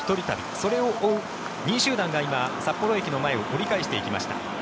それを追う２位集団が今、札幌駅前を折り返していきました。